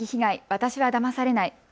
私はだまされない。